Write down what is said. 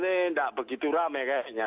tidak begitu ramai kayaknya